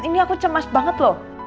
ini aku cemas banget loh